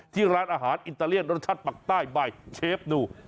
ที่ร้านอาหารอิตาเลียนรสชาติปักใต้ใบเชฟนู